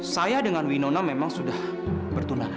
saya dengan winona memang sudah bertunahan